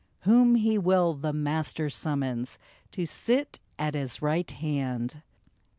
Whom he will the Master summons To sit at his right hand !